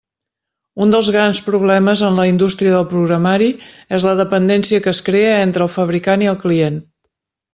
Un dels grans problemes en la indústria del programari és la dependència que es crea entre el fabricant i el client.